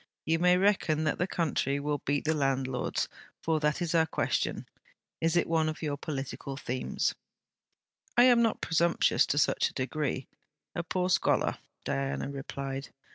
You may reckon that the country will beat the landlords for that is our question. Is it one of your political themes?' 'I am not presumptuous to such a degree: a poor scholar,' Diana replied.